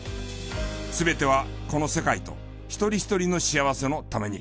全てはこの世界と一人一人の幸せのために。